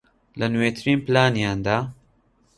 لە نوێترین پلانیاندا